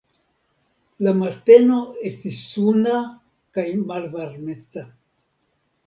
La mateno estis suna kaj malvarmeta.